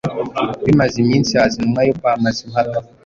Bimaze iminsi haza intumwa yo kwa Mazimpaka,